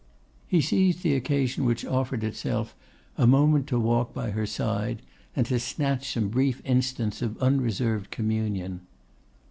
He seized the occasion which offered itself, a moment to walk by her side, and to snatch some brief instants of unreserved communion.